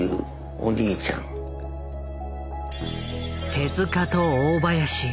手と大林。